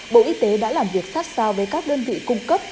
bộ y tế đã làm việc sát sao với các đơn vị cung cấp